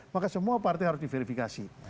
maka semua partai harus diverifikasi